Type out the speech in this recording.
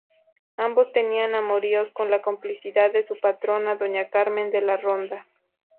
Ambos tenían amoríos con la complicidad de su patrona Doña Carmen de la Ronda.